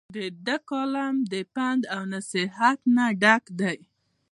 د دۀ کالم د پند او نصيحت نه ډک دے ۔